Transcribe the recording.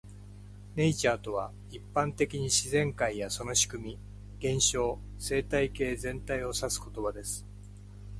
"Nature" とは、一般的に自然界やその仕組み、現象、生態系全体を指す言葉です。